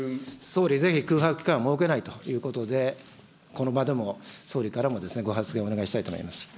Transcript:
総理、ぜひ空白期間を設けないということで、この場でも総理からも、ご発言をお願いしたいと思います。